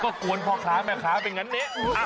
ก็กวนพ่อค้าแม่ค้าเป็นงั้นเนี่ย